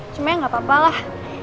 cuma ya gak apa apalah